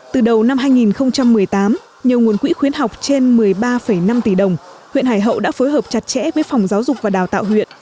từ đầu năm hai nghìn một mươi tám nhờ nguồn quỹ khuyến học trên một mươi ba năm tỷ đồng huyện hải hậu đã phối hợp chặt chẽ với phòng giáo dục và đào tạo huyện